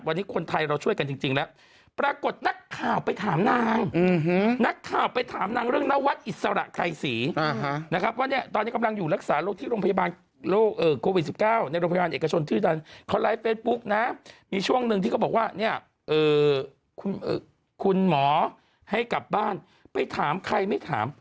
มีช่วงนึงที่เขาบอกว่าคุณหมอให้กลับบ้านไปถามใครไม่ถาม